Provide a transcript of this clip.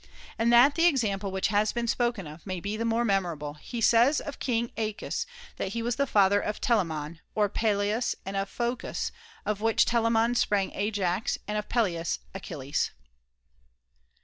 And that the example which has been spoken of may be the more memorable, he says of King ^acus that he was the father of Telamon, ot Peleus and of Phocus, of which Telamon sprang Ajax, and of Peleus, Achilles.